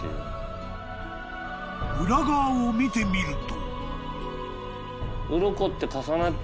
［裏側を見てみると］